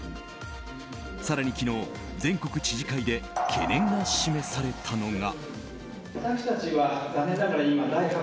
更に昨日、全国知事会で懸念が示されたのが。